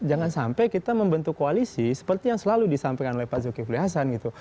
jangan sampai kita membentuk koalisi seperti yang selalu disampaikan oleh pak zulkifli hasan gitu